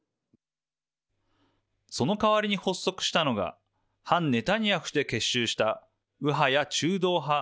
その代わりに発足したのが反ネタニヤフで結集した右派や中道派